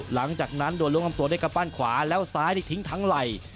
หลังจากนั้นโดนล้วงลำตัวด้วยกระปั้นขวาแล้วซ้ายได้ทิ้งทั้งไหล่